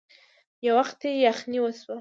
يو وخت يې يخنې وشوه.